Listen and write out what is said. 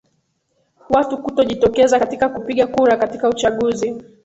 watu kutojitokeza katika kupiga kura katika uchaguzi